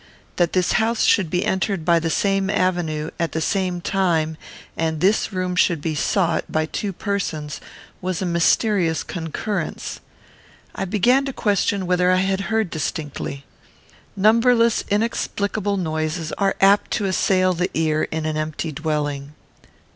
That this house should be entered by the same avenue, at the same time, and this room should be sought, by two persons, was a mysterious concurrence. I began to question whether I had heard distinctly. Numberless inexplicable noises are apt to assail the ear in an empty dwelling.